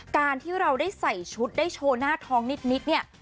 การที่เราได้ใส่ชุดได้โชว์หน้าท้องนิดเนี่ย